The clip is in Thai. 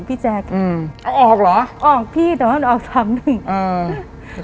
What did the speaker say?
พี่แจกอืมออกหรอออกพี่แต่ว่ามันออกสามหนึ่งอืม